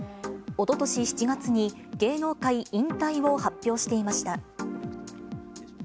おととし７月に芸能界引退を発表していました。